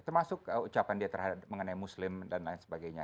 termasuk ucapan dia mengenai muslim dan lain sebagainya